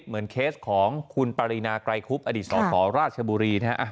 เหมือนเคสของคุณปรินาไกรคุบอดีตสอบของราชบุรีนะครับ